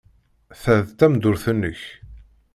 Ta d tameddurt-nnek.